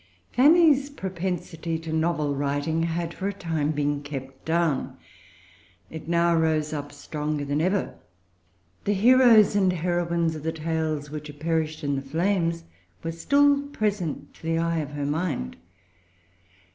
Fanny's propensity to novel writing had for a time been kept down. It now rose up stronger than ever. The heroes and heroines of the tales which had perished in the flames were still present to the eye of her mind.